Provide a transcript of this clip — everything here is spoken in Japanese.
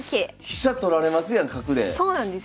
飛車取られますやん角で。